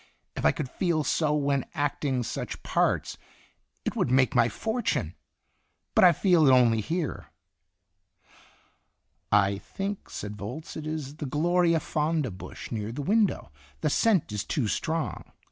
If I could feel so when acting such parts, it would make my fortune. But I feel it only here." "I think," said Volz, "it is the gloria fonda bush near the window; the scent is too strong."